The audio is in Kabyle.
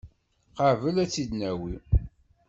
Qabel ad tt-id-nawi.